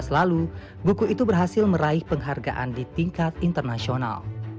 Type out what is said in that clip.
dua ribu lalu buku itu berhasil meraih penghargaan di tingkat internasional